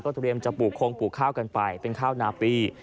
เตรียมจะปลูกคงปลูกข้าวกันไปเป็นข้าวนาปี